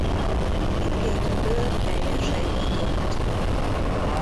Mindkét öböl teljesen nyitott.